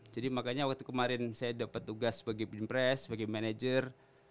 jadi makanya waktu kemarin saya dapat tugas sebagai pimpress sebagai manager